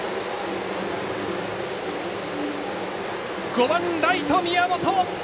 ５番ライト宮本！